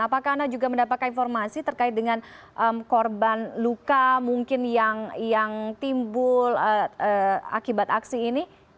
apakah anda juga mendapatkan informasi terkait dengan korban luka mungkin yang timbul akibat aksi ini